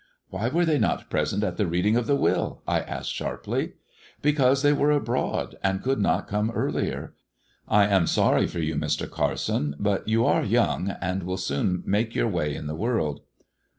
"Why were they not present at the reading of the will?" I asked sharply. " Because they were abroad, and could not come earlier. I am sorry for you, Mr. Carson, but you are young, and will soon make your way in the world."